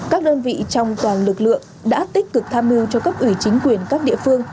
các đơn vị trong toàn lực lượng đã tích cực tham mưu cho cấp ủy chính quyền các địa phương